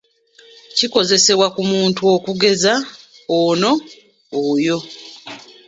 Kikozesebwa ku muntu okugeza ono, oyo.